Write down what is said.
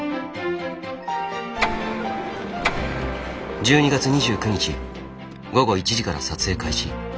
１２月２９日午後１時から撮影開始。